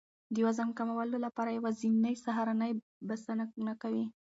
د وزن کمولو لپاره یوازې سهارنۍ بسنه نه کوي.